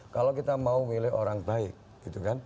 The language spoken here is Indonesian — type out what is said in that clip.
kalau kita mau milih orang baik